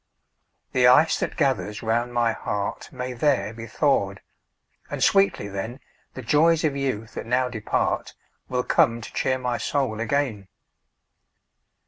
The ice that gathers round my heart May there be thawed; and sweetly, then, The joys of youth, that now depart, Will come to cheer my soul again.